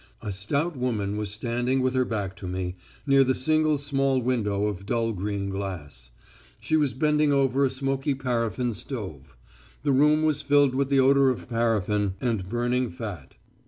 A stout woman was standing with her back to me, near the single small window of dull green glass. She was bending over a smoky paraffin stove. The room was filled with the odour of paraffin and burning fat.